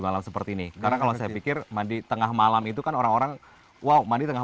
malam seperti ini karena kalau saya pikir mandi tengah malam itu kan orang orang wow mandi tengah